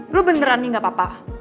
lu beneran nih gak apa apa